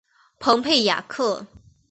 蓬佩雅克。